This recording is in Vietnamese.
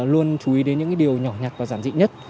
luôn chú ý đến những điều nhỏ nhặc và giản dị nhất